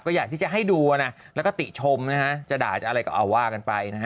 ก็อยากที่จะให้ดูนะแล้วก็ติชมนะฮะจะด่าจะอะไรก็เอาว่ากันไปนะฮะ